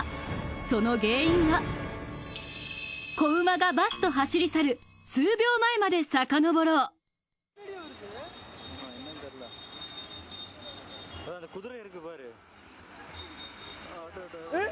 その原因は子馬がバスと走り去る数秒前まで遡ろうえっ？